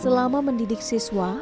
setelah mendidik siswa